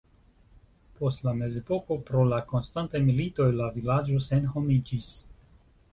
Post la mezepoko pro la konstantaj militoj la vilaĝo senhomiĝis.